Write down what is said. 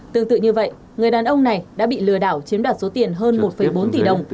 tương tự như vậy người đàn ông này đã bị lừa đảo chiếm đoạt số tiền hơn một bốn tỷ đồng